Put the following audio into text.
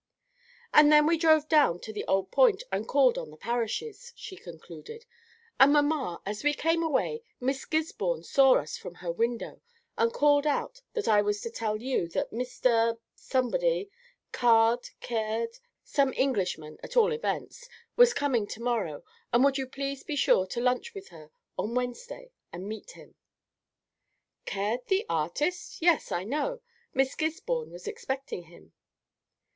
"And then we drove down to the Old Point, and called on the Parishes," she concluded; "and, mamma, as we came away Miss Gisborne saw us from her window, and called out that I was to tell you that Mr. somebody Card Caird some Englishman, at all events was coming to morrow, and would you please be sure to lunch with her on Wednesday and meet him?" "Caird, the artist? yes, I know. Miss Gisborne was expecting him."